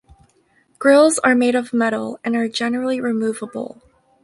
Grills are made of metal and are generally removable.